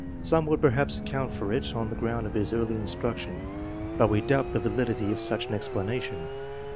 Some would perhaps account for it on the ground of his early instruction, but we doubt the val idity of such an explanation.